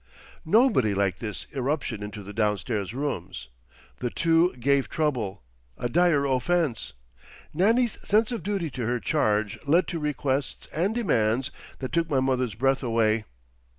Nobody liked this irruption into the downstairs rooms; the two "gave trouble,"—a dire offence; Nannie's sense of duty to her charge led to requests and demands that took my mother's breath away.